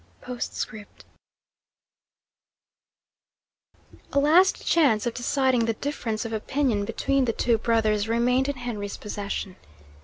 POSTSCRIPT A last chance of deciding the difference of opinion between the two brothers remained in Henry's possession.